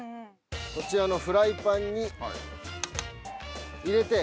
こちらのフライパンに入れて。